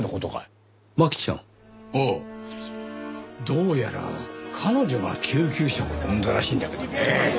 どうやら彼女が救急車を呼んだらしいんだけどね。